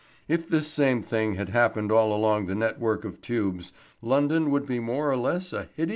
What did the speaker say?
If this same thing had happened all along the network of tubes, London would be more or less a hideous ruin.